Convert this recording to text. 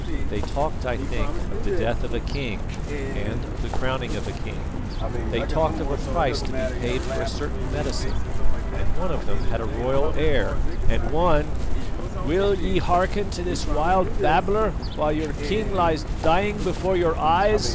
They talked, I think, of the death of a king and of the crowning of a king. They talked of a price to be paid for a certain medicine; and one of them had a royal air, and one " "Will ye hearken to this wild babbler while your king lies dying before your eyes?"